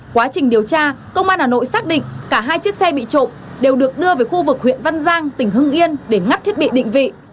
quá trình điều tra công an hà nội xác định cả hai chiếc xe bị trộm đều được đưa về khu vực huyện văn giang tỉnh hưng yên để ngắt thiết bị định vị